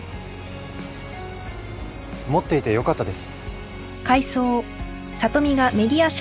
持っていてよかったです。